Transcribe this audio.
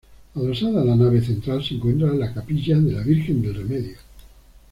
Adosada a la nave central se encuentra la capilla de la Virgen del Remedio.